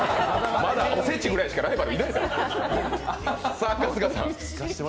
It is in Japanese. まだおせちぐらいしかライバルいないですから。